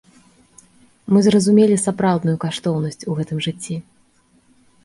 Мы зразумелі сапраўдную каштоўнасць у гэтым жыцці.